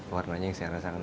warnanya yang saya rasakan